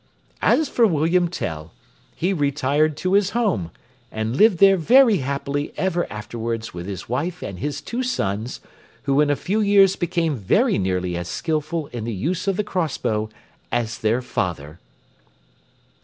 As for William Tell, he retired to his home, and lived there very happily ever afterwards with his wife and his two sons, who in a few years became very nearly as skilful in the use of the cross bow as their father.